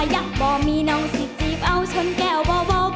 อยากบอกมีน้องสนิทจีบเอาฉันแก้วบ่อบอกมือบ๊ายบาย